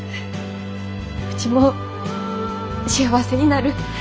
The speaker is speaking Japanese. うちも幸せになる！